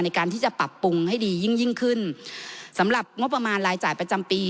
ในการที่จะปรับปรุงให้ดียิ่งยิ่งขึ้นสำหรับงบประมาณรายจ่ายประจำปี